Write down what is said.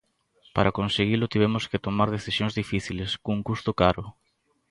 Para conseguilo tivemos que tomar decisións difíciles, cun custo caro.